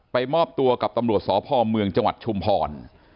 มอบตัวกับตำรวจสพเมืองจังหวัดชุมพร